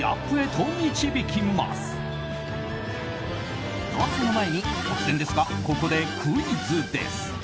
と、その前に突然ですがここでクイズです。